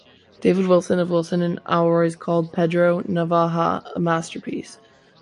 David Wilson of Wilson and Alroy's called "Pedro Navaja" a "masterpiece".